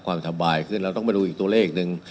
ความสบายขึ้นเราต้องมาดูอีกตัวเลขหนึ่ง